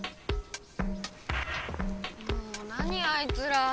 もう何あいつら。